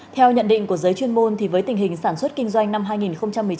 theo nhận định của giới chuyên môn với tình hình sản xuất kinh doanh năm hai nghìn hai mươi